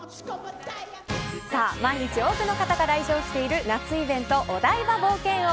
毎日、多くの方が来場している夏イベントお台場冒険王。